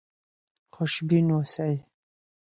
خوشبین اوسئ.